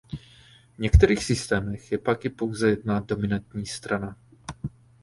V některých systémech je pak i pouze jedna dominantní strana.